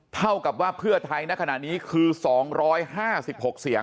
เท่ากับว่าเพื่อไทยในขณะนี้คือ๒๕๖เสียง